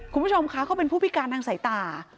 คุณผู้ชมคะเขาเป็นผู้พิการทางสายตา